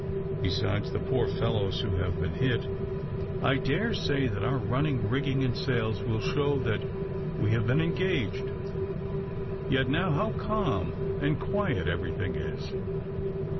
"Besides the poor fellows who have been hit, I dare say that our running rigging and sails will show that we have been engaged; yet now how calm and quiet everything is."